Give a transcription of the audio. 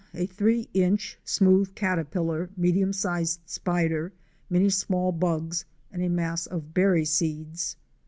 A three inch, smooth caterpillar, medium sized spider, many small bugs, and a mass of berry seeds.